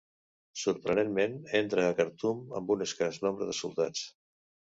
Sorprenentment entra a Khartum amb un escàs nombre de soldats.